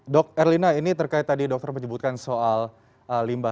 dok erlina ini terkait tadi dokter menyebutkan soal limbah